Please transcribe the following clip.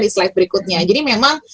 di slide berikutnya jadi memang